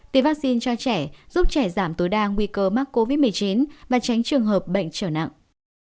tiêm vaccine cho trẻ giúp trẻ giảm tối đa nguy cơ mắc covid một mươi chín và tránh trường hợp bệnh trở nặng